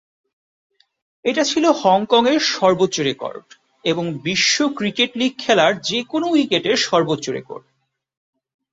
এটা ছিল হংকংয়ের সর্বোচ্চ রেকর্ড এবং বিশ্ব ক্রিকেট লীগ খেলার যেকোন উইকেটের সর্বোচ্চ রেকর্ড।